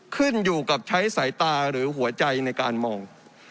ขึ้นอยู่กับใช้สายตาหรือหัวใจในการมอง